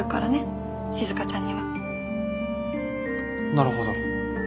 なるほど。